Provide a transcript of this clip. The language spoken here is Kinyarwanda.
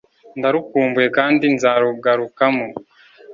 ndarukumbuye kandi nzarugarukamo